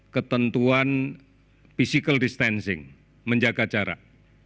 ketentuan physical distancing menjaga jarak